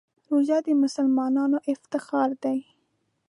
روژه د مسلمانانو افتخار دی.